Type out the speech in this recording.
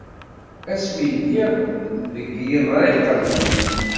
Asmi lliɣ deg Yiḍriqen.